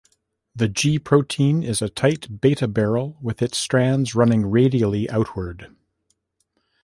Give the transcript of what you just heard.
The G protein is a tight beta barrel with its strands running radially outward.